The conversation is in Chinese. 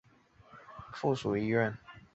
天津官医院是北洋军医学堂的附属医院。